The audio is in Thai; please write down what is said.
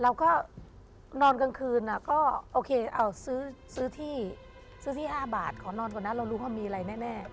เราก็นอนกลางคืนซื้อที่๕บาทขอนอนก่อนนะเรารู้ว่ามีอะไรแน่